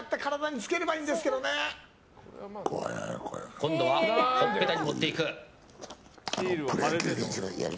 今度はほっぺたに持っていく。